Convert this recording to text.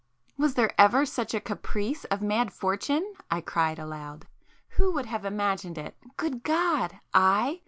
"Was there ever such a caprice of mad Fortune!" I cried aloud—"Who would have imagined it! Good God! I!